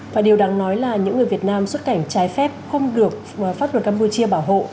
và điều đáng nói là những người việt nam xuất cảnh trái phép không được pháp luật campuchia bảo hộ